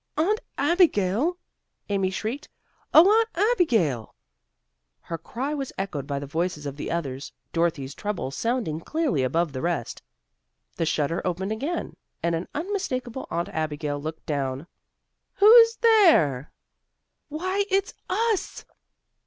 "Aunt Abigail!" Amy shrieked, "oh, Aunt Abigail!" Her cry was echoed by the voices of the others, Dorothy's treble sounding clearly above the rest. The shutter opened again, and an unmistakable Aunt Abigail looked down. "Who's there?" "Why, it's us!"